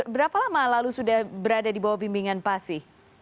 berapa lama lalu sudah berada di bawah bimbingan pasi